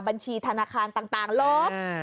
บัญชีธนาคารต่างลบ